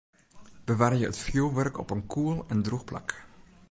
Bewarje it fjoerwurk op in koel en drûch plak.